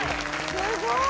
すごい！